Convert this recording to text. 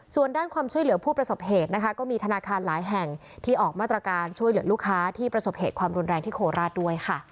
ส่วนด้านความช่วยเหลือผู้ประสบเหตุนะคะก็มีธนาคารหลายแห่งที่ออกมาตรการช่วยเหลือลูกค้าที่ประสบเหตุความรุนแรงที่โคราชด้วยค่ะ